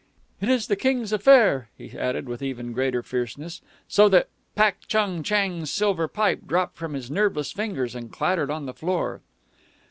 "It is the King's affair," he added with even greater fierceness; so that Pak Chung Chang's silver pipe dropped from his nerveless fingers and clattered on the floor.